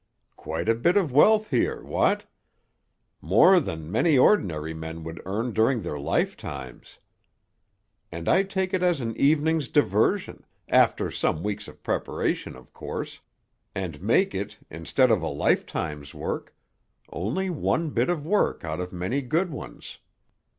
"Quite a bit of wealth here, what? More than many ordinary men would earn during their lifetimes. And I take it as an evening's diversion, after some weeks of preparation, of course, and make it, instead of a lifetime's work, only one bit of work out of many good ones.